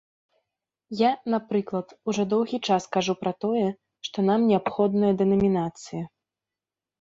Я, напрыклад, ужо доўгі час кажу пра тое, што нам неабходная дэнамінацыя.